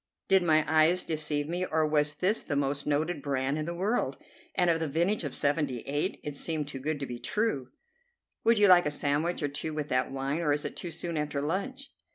Did my eyes deceive me, or was this the most noted brand in the world, and of the vintage of '78? It seemed too good to be true. "Would you like a sandwich or two with that wine, or is it too soon after lunch?"